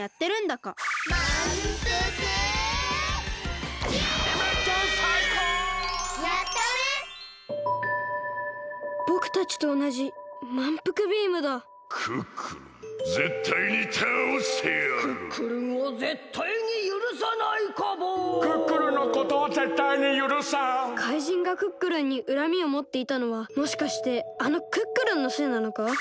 こころのこえ怪人がクックルンにうらみをもっていたのはもしかしてあのクックルンのせいなのか？